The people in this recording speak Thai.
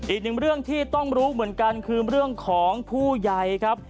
อีกหนึ่งเรื่องที่ต้องรู้เหมือนกันคือเรื่องของผู้ใหญ่ครับ